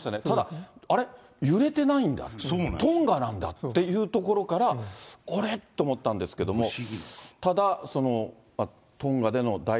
ただ、あれ、揺れてないんだ、トンガなんだっていうところから、あれ？と思ったんですけども。